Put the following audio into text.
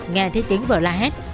nghe thấy tiếng vỡ la hét